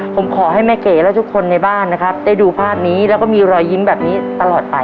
ผมขอให้แม่เก๋และทุกคนในบ้านนะครับได้ดูภาพนี้แล้วก็มีรอยยิ้มแบบนี้ตลอดไป